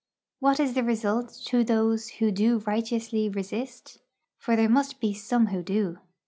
What is the result to those who do righteously resist? For there must be some who do.